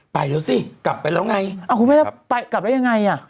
ไปเดี๋ยวสิกลับไปแล้วไงกลับแล้วยังไง